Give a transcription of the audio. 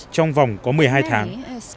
trong vòng có một mươi hai tháng